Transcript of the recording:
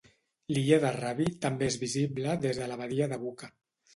L'illa de Rabi també és visible des de la badia de Buca.